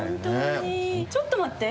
ちょっと待って！